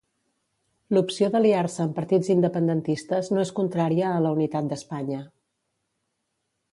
L'opció d'aliar-se amb partits independentistes no és contrària a la unitat d'Espanya.